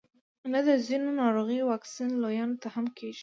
نه د ځینو ناروغیو واکسین لویانو ته هم کیږي